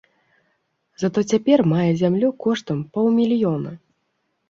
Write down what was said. Затое цяпер мае зямлю коштам паўмільёна!